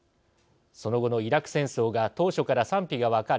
その後のイラク戦争が当初から賛否が分かれ